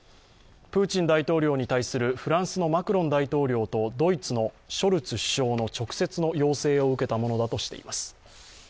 プーチン大統領に対するフランスのマクロン大統領とドイツのショルツ首相の直接の要請を受けたものだとしています。